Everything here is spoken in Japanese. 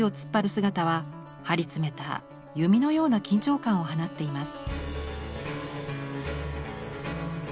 姿は張り詰めた弓のような緊張感を放っています。